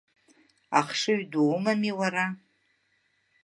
Ахшыҩ ду умами уара.